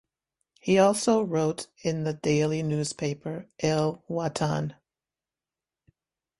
He also wrote in the daily newspaper "El Watan".